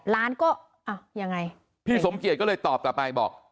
ร้านก็อ่ะยังไงพี่สมเกียจก็เลยตอบกลับไปบอก